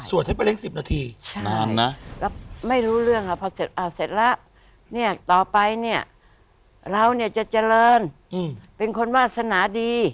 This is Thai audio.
ให้ป้าเล็ก๑๐นาทีนานนะแล้วไม่รู้เรื่องค่ะพอเสร็จแล้วเนี่ยต่อไปเนี่ยเราเนี่ยจะเจริญเป็นคนวาสนาดี